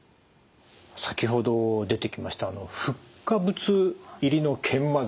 先ほど出てきましたフッ化物入りの研磨剤